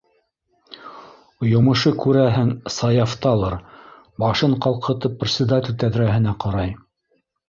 Йомошо, күрәһең, Саяфталыр - башын ҡалҡытып председатель тәҙрәһенә ҡарай.